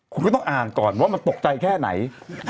คุณก็ต้องอ่านก่อนว่ามันตกใจแค่ไหน